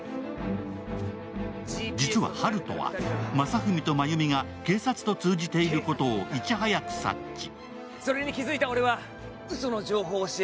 実は温人は、正文と麻由美が警察と通じていることをいち早く察知。